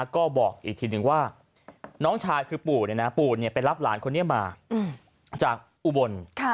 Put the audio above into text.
ก็บอกอีกทีนึงว่าน้องชายคือปู่ปู่ไปรับหลานคนนี้มาจากอุบล